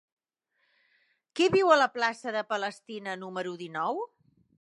Qui viu a la plaça de Palestina número dinou?